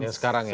ya sekarang ya